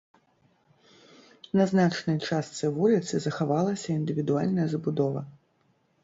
На значнай частцы вуліцы захавалася індывідуальная забудова.